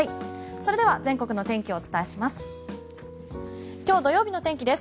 それでは全国の天気をお伝えします。